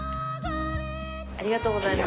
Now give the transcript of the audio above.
ありがとうございます。